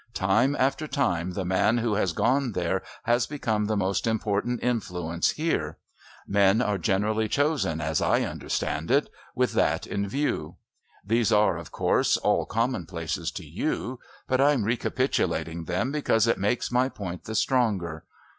Time after time the man who has gone there has become the most important influence here. Men are generally chosen, as I understand it, with that in view. These are, of course, all commonplaces to you, but I'm recapitulating them because it makes my point the stronger.